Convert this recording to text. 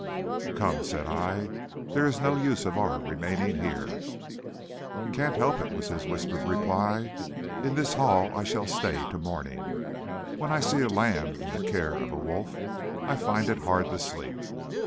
"Come," said I, "there is no use of our remaining here." "Can't help it," was his whispered reply. "In this hall I stay till morning. When I see a lamb in the care of a wolf, I find it hard to sleep.